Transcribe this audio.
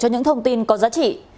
cho những thông tin có giá trị